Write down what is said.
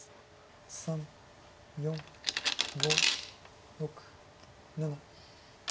３４５６７。